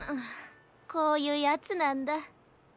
こういうやつなんだ。